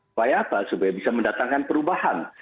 supaya apa supaya bisa mendatangkan perubahan